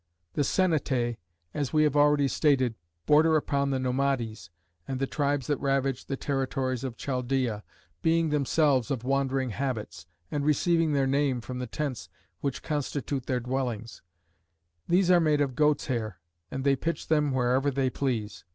The Scenitae, as we have already stated, ^^ border upon the Nomades and the tribes that ravage the territories of Chaldaea, being themselves of wandering habits, and receiving their name from the tents which constitute their dwellings ; these are made of goats' hair, and they pitch them wherever they please.